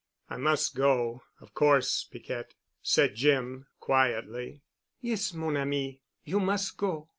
"I must go, of course, Piquette," said Jim quietly. "Yes, mon ami, you mus' go.